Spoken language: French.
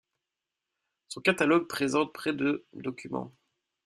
Son catalogue présente près de documents.